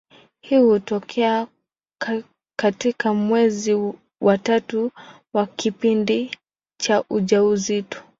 Hii hutokea katika mwezi wa tatu wa kipindi cha ujauzito.